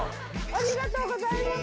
ありがとうございます。